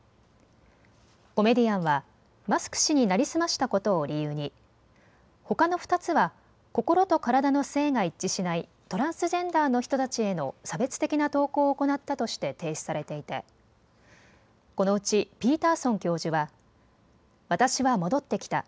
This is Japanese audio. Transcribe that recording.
コメディアンはマスク氏に成り済ましたことを理由にほかの２つは心と体の性が一致しないトランスジェンダーの人たちへの差別的な投稿を行ったとして停止されていてこのうちピーターソン教授は私は戻ってきた。